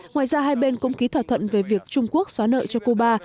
ngoài ra hai bên cũng ký thỏa thuận về việc trung quốc xóa nợ cho cuba